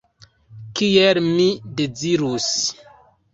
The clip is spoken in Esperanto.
Kiel mi dezirus.